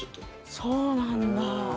そうなんだ。